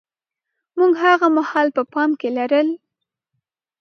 موږ هاغه مهال په پام کې لرل.